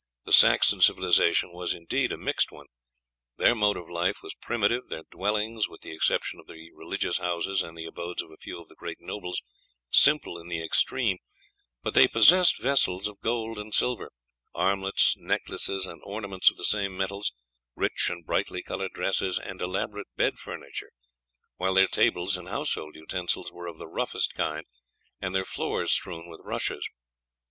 The Saxon civilization was indeed a mixed one. Their mode of life was primitive, their dwellings, with the exception of the religious houses and the abodes of a few of the great nobles, simple in the extreme; but they possessed vessels of gold and silver, armlets, necklaces, and ornaments of the same metals, rich and brightly coloured dresses, and elaborate bed furniture while their tables and household utensils were of the roughest kind, and their floors strewn with rushes.